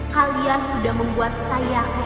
kalian udah membuat saya kaya lain